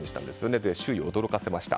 そして周囲を驚かせました。